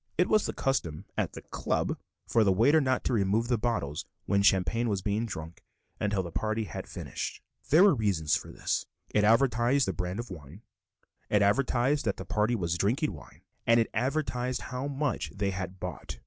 It was the custom at the "Club" for the waiter not to remove the bottles when champagne was being drunk until the party had finished. There were reasons for this; it advertised the brand of wine, it advertised that the party was drinking wine, and advertised how much they had bought.